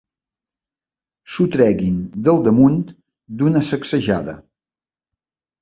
S'ho treguin del damunt d'una sacsejada.